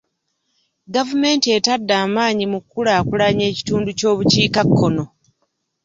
Gavumenti etadde amaanyi mu kukulaakulanya ekitundu ky'obukiikakkono.